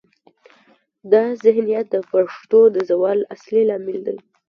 دا ذهنیت د پښتو د زوال اصلي لامل دی.